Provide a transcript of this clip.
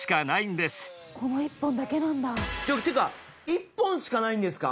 １本しかないんですか？